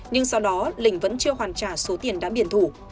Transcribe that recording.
nhưng sau đó linh vẫn chưa hoàn trả số tiền đã biển thủ